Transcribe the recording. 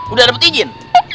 udah dapet izin